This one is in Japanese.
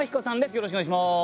よろしくお願いします。